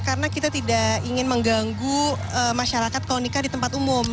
karena kita tidak ingin mengganggu masyarakat kalau nikah di tempat umum